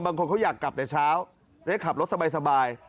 บางคนเขาอยากกลับแต่เช้าได้ขับรถสบาย